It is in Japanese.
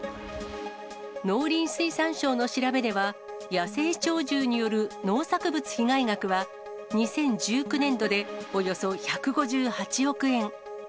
農林水産省の調べでは野生鳥獣による農作物被害額は、２０１９年度でおよそ１５８億円。